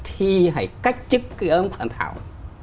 thì hãy cách chức cái âm phản thảo